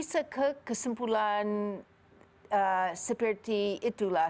saya kira tidak bisa kesimpulan seperti itulah